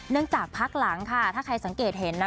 จากพักหลังค่ะถ้าใครสังเกตเห็นนะ